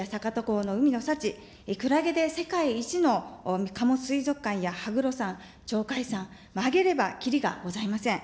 港の海の幸、クラゲで世界一のかも水族館や羽黒山、ちょうかいさん、挙げればきりがございません。